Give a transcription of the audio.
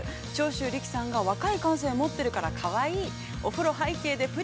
長州力さん、若い感性を持っているからかわいい。